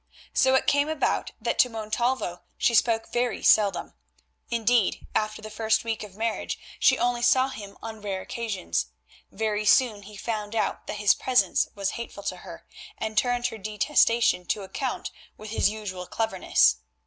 So it came about that to Montalvo she spoke very seldom; indeed after the first week of marriage she only saw him on rare occasions. Very soon he found out that his presence was hateful to her, and turned her detestation to account with his usual cleverness.